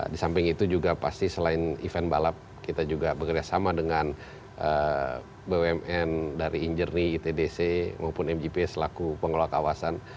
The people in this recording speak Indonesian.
di samping itu juga pasti selain event balap kita juga bekerjasama dengan bumn dari injury itdc maupun mgp selaku pengelola kawasan